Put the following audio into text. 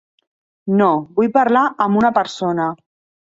No, vull parlar amb una persona.